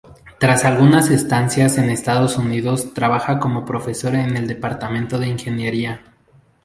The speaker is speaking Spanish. Tras algunas estancias en Estados Unidos trabaja como profesor en el Departamento de Ingeniería.